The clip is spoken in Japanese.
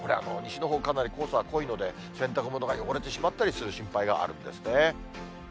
西のほう、かなり黄砂が濃いので、洗濯物が汚れてしまったりする心配があるんですね。